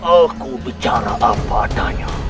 aku bicara apa adanya